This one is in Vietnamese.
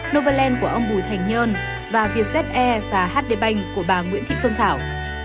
novoland của ông bùi thành nhơn và vietze và hd bank của bà nguyễn thị phương thảo